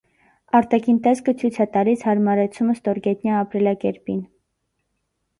Արտաքին տեսքը ցույց է տալիս հարմարեցումը ստորգետնյա ապրելակերպին։